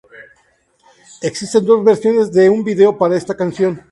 Existen dos versiones de un vídeo para esta canción.